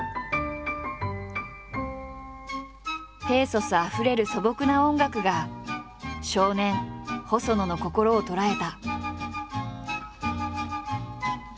ペーソスあふれる素朴な音楽が少年細野の心を捉えた。